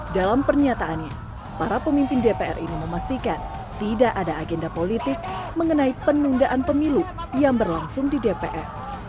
dalam pernyataannya para pemimpin dpr ini memastikan tidak ada agenda politik mengenai penundaan pemilu yang berlangsung di dpr